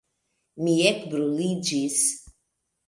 Mi elbruliĝis.